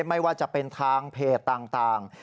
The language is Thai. ไม่ว่าจะเป็นทางเพจต่าง